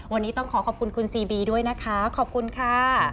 วันนี้ต้องขอขอบคุณคุณซีบีด้วยนะคะขอบคุณค่ะ